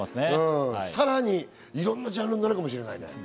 さらにいろんなジャンルになるかもしれない。